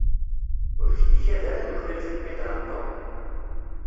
Ur k-d-ikad ara nuklal timqidra n Tom?